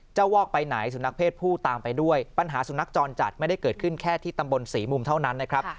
วอกไปไหนสุนัขเพศผู้ตามไปด้วยปัญหาสุนัขจรจัดไม่ได้เกิดขึ้นแค่ที่ตำบลศรีมุมเท่านั้นนะครับ